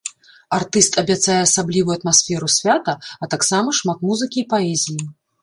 Артыст абяцае асаблівую атмасферу свята, а таксама шмат музыкі і паэзіі.